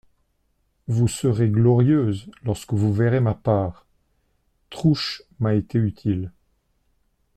Vous serez glorieuse, lorsque vous verrez ma part … Trouche m'a été utile.